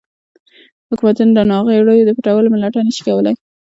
حکومتونه د ناغیړیو د پټولو ملاتړ نشي کولای.